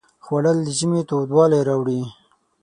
خوړل د ژمي تودوالی راوړي